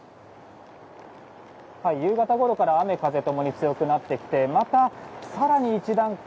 夕方ごろから雨風共に強くなってきてまた更に一段階